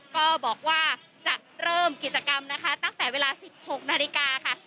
ก็บอกว่าจะเริ่มกิจกรรมนะคะตั้งแต่เวลา๑๖นาฬิกาค่ะ